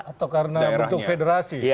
atau karena bentuk federasi